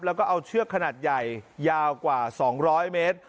แล้วก็เอาเชือกขนาดใหญ่ยาวกว่า๒๐๐เมตร